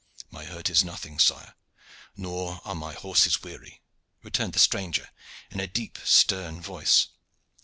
"My hurt is nothing, sire, nor are my horses weary," returned the stranger in a deep, stern voice.